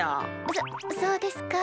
そそうですか。